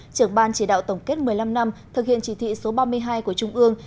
trưởng ban chỉ đạo tổng kết một mươi năm năm thực hiện chỉ thị số ba mươi hai của trung ương